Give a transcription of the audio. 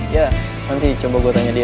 ya nanti coba gue tanya dia